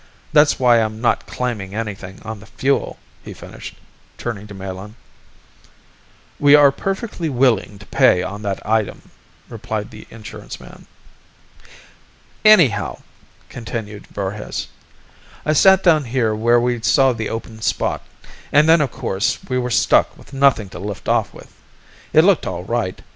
That's why I'm not claimin' anythin' on the fuel," he finished, turning to Melin. "We are perfectly willing to pay on that item," replied the insurance man. "Anyhow," continued Voorhis, "I set down here where we saw the open spot, an' then of course we were stuck with nothin' to lift off with. It looked all right.